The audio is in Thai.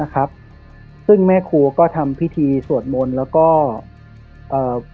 ครับซึ่งแม่ครูก็ทำพิธีสวดมนต์แล้วก็เอ่อ